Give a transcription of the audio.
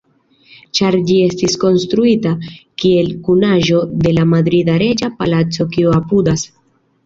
Ĉar ĝi estis konstruita kiel kunaĵo de la Madrida Reĝa Palaco kiu apudas.